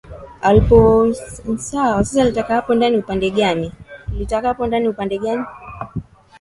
muziki kupatana na nafahamu